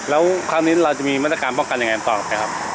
แล้วคราวนี้เราจะมีมันตะกันป้องกันเกินแล้วครับ